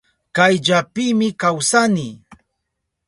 Kayllapimi kawsani.